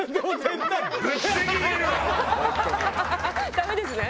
ダメですね。